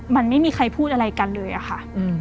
มันไม่มีใครพูดอะไรกันเลยอะค่ะ